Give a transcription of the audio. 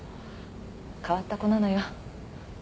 変わった子なのよ。